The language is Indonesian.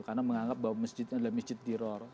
karena menganggap bahwa masjidnya adalah masjid teror